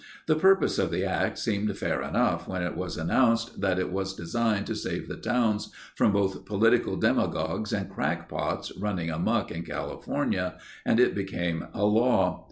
The purpose of the act seemed fair enough when it was announced that it was designed to save the towns from both political demagogues and crackpots running amuck in California and it became a law.